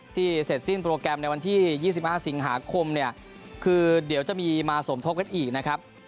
เสร็จสิ้นโปรแกรมในวันที่๒๕สิงหาคมเนี่ยคือเดี๋ยวจะมีมาสมทบกันอีกนะครับ